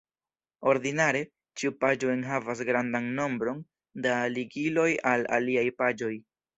Ordinare, ĉiu paĝo enhavas grandan nombron da ligiloj al aliaj paĝoj.